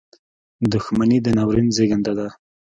• دښمني د ناورین زېږنده ده.